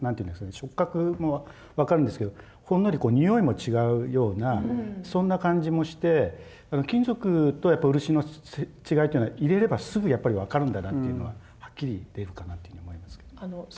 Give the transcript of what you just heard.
触覚も分かるんですけどほんのり匂いも違うようなそんな感じもして金属とやっぱ漆の違いっていうのは入れればすぐやっぱり分かるんだなっていうのははっきり出るかなっていうふうに思いますけどもね。